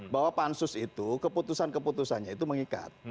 bahwa pansus itu keputusan keputusannya itu mengikat